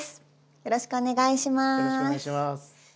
よろしくお願いします。